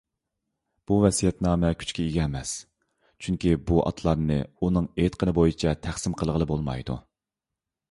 بۇ ۋەسىيەتنامە كۈچكە ئىگە ئەمەس، چۈنكى بۇ ئاتلارنى ئۇنىڭ ئېيتىقىنى بويىچە تەقسىم قىلغىلى بولمايدۇ.